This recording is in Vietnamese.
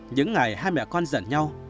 những ngày hai mẹ con giận nhau